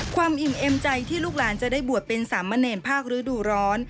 อิ่มเอ็มใจที่ลูกหลานจะได้บวชเป็นสามเณรภาคฤดูร้อน